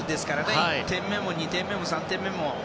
１点目も、２点目も、３点目も。